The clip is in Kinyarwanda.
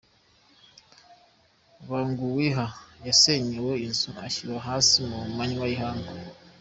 Banguwiha yasenyewe inzu ishyirwa hasi ku manywa y’ihangu